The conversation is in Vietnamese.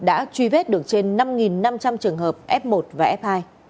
đã truy vết được trên năm năm trăm linh trường hợp f một và f hai